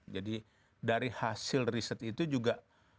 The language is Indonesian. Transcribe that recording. jadi dari hasil research itu juga